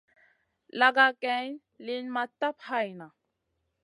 Laga geyn liyn ma tap hayna.